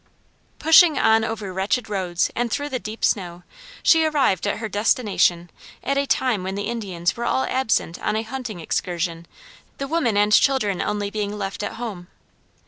Pushing on over wretched roads and through the deep snow she arrived at her destination at a time when the Indians were all absent on a hunting excursion, the women and children only being left at home.